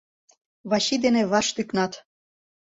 Вачи дене ваш тӱкнат.